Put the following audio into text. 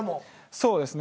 そうですね。